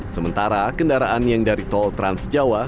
sementara kendaraan yang dari tol transjawa